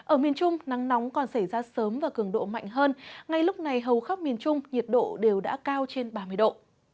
ở miền trung nắng nóng còn xảy ra sớm và cường độ mạnh hơn ngay lúc này hầu khắp miền trung nhiệt độ đều đã cao trên ba mươi độ